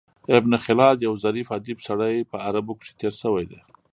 ابن خلاد یو ظریف ادیب سړی په عربو کښي تېر سوى دﺉ.